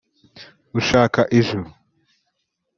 ushaka ijuru